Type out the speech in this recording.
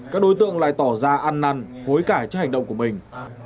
các đối tượng lại tỏ ra ăn nằn hối cãi cho hành động của mình